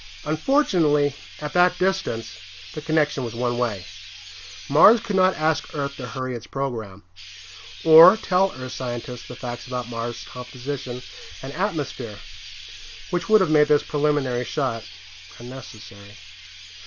Unfortunately, at that distance, the connection was one way. Mars could not ask Earth to hurry its program. Or tell Earth scientists the facts about Mars' composition and atmosphere which would have made this preliminary shot unnecessary.